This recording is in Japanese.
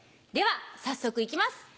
では早速行きます。